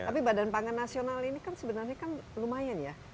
tapi badan pangan nasional ini kan sebenarnya kan lumayan ya